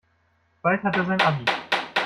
Bald hat er sein Abi.